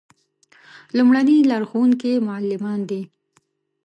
لومړني لارښوونکي یې معلمان دي.